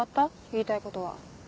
言いたいことは。